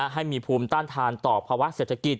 ให้มีภูมิต้านทานต่อภาวะเศรษฐกิจ